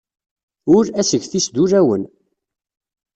Ul asget-is d ulawen.